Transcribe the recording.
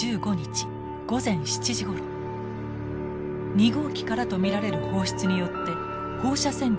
２号機からと見られる放出によって放射線量が上昇。